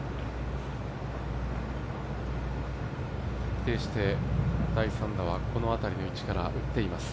一定して、第３打はこの辺りの位置から打っています。